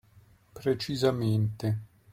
Precisamente!